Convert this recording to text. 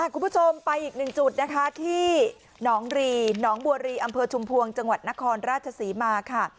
คุณผู้ชมไปอีกหนึ่งจุดนะคะที่หนองรีหนองบัวรีอำเภอชุมพวงจังหวัดนครราชศรีมาค่ะ